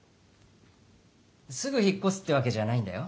すぐ引っこすってわけじゃないんだよ。